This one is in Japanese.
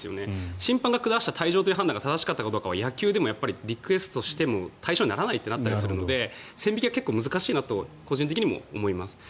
審判が下した退場という判断が正しかったどうかは野球でもリクエストしても対象にならないってなったりするので線引きは結構、難しいなと思います。